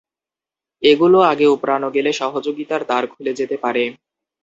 এগুলো আগে উপড়ানো গেলে সহযোগিতার দ্বার খুলে যেতে পারে।